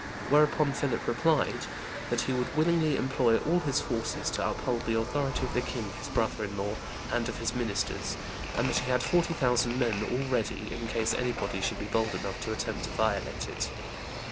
Whereupon Philip replied 'that he would willingly employ all his forces to uphold the authority of the king his brother in law and of his ministers, and that he had forty thousand men all ready in case anybody should be bold enough to attempt to violate it.